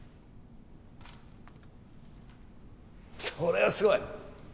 それはすごい！